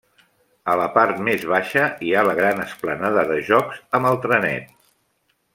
A la part més baixa hi ha la gran esplanada de jocs amb el trenet.